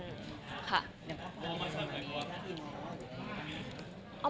ค่ะ